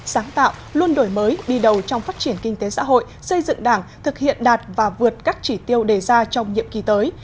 sáng tạo luôn đổi mới đi đầu trong phát triển kinh tế xã hội xây dựng đảng thực hiện đạt và vượt các chỉ tiêu đề ra trong nhiệm kỳ tới